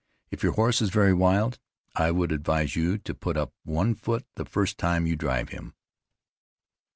If your horse is very wild, I would advise you to put up one foot the first time you drive him.